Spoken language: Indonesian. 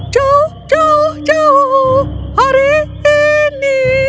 jauh jauh hari ini